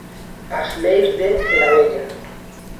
As leis de Celavella.